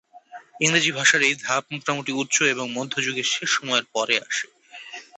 ইংরেজি ভাষার এই ধাপ মোটামুটি উচ্চ এবং মধ্য যুগের শেষ সময়ের পরে আসে।